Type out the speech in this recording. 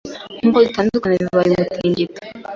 Nkuko gutandukana bibayeumutingito